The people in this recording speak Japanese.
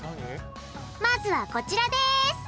まずはこちらです！